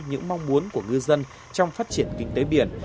những mong muốn của ngư dân trong phát triển kinh tế biển